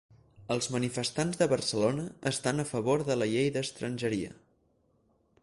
Els manifestants de Barcelona estan a favor de la llei d'estrangeria